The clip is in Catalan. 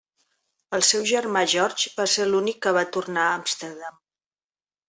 El seu germà George va ser l'únic que va tornar a Amsterdam.